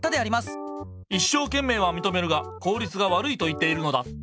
いっしょうけんめいはみとめるが効率がわるいといっているのだ。